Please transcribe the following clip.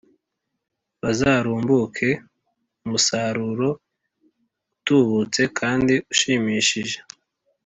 buzarumbuke umusaruro utubutse kandi ushimishije.